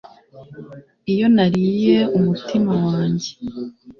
iyo nariye umutima wanjye